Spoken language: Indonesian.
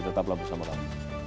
tetap lalu selamat malam